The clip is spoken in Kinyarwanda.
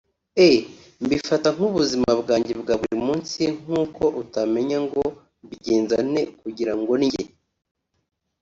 Eeeh Mbifata nk’ubuzima bwanjye bwa buri munsi nk’uko utamenya ngo mbigenza nte kugirango ndye